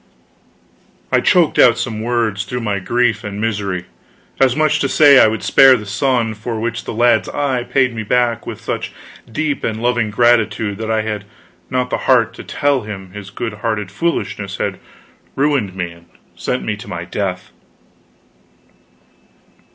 I choked out some words through my grief and misery; as much as to say I would spare the sun; for which the lad's eyes paid me back with such deep and loving gratitude that I had not the heart to tell him his good hearted foolishness had ruined me and sent me to my death.